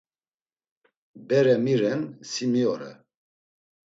Bere mi ren, si mi ore?